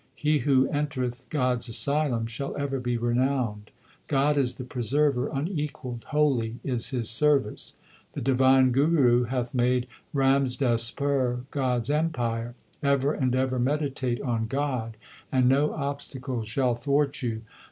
He who entereth God s asylum shall ever be renowned. God is the Preserver, unequalled ; holy is His service. The divine Guru hath made Ramdaspur God s empire. Ever and ever meditate on God, and no obstacle shall thwart you.